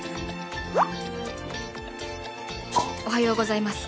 「おはようございます。